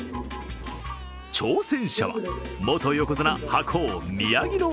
挑戦者は、元横綱・白鵬、宮城野